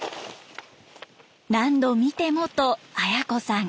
「何度見ても」と綾子さん。